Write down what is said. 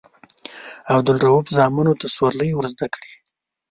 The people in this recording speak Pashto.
عبدالروف زامنو ته سورلۍ ورزده کړي.